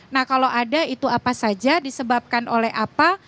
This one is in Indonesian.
nah kalau ada itu apa saja disebabkan oleh apa